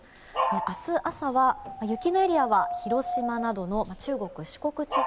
明日朝は、雪のエリアは広島などの中国・四国地方。